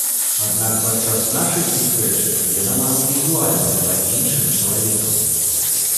Аднак падчас нашай сустрэчы яна нават візуальна была іншым чалавекам!